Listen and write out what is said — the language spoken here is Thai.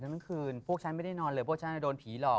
ทั้งคืนพวกฉันไม่ได้นอนเลยพวกฉันโดนผีหลอก